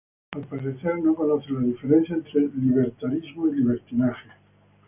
Al parecer, no conocen la diferencia entre libertarismo y libertinaje".